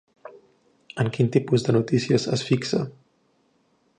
En quin tipus de notícies es fixa?